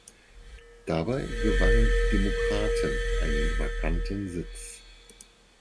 Dabei gewannen die Demokraten einen vakanten Sitz.